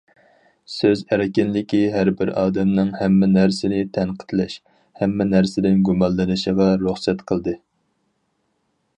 سۆز ئەركىنلىكى ھەربىر ئادەمنىڭ ھەممە نەرسىنى تەنقىدلەش، ھەممە نەرسىدىن گۇمانلىنىشىغا رۇخسەت قىلدى.